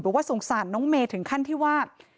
บอกว่าสงสารน้องเมย์ถึงขั้นที่ว่า